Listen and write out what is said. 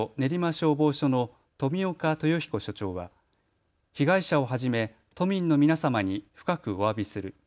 消防署の冨岡豊彦署長は被害者をはじめ都民の皆様に深くおわびする。